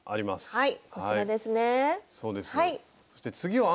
はい。